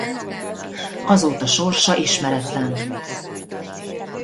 Azóta sorsa ismeretlen.